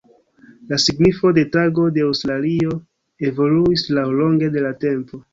La signifo de Tago de Aŭstralio evoluis laŭlonge de la tempo.